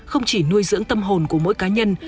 không chỉ nuôi dưỡng tâm hồn của mỗi cá nhân